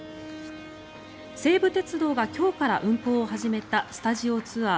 西武鉄道が今日から運行を始めたスタジオツアー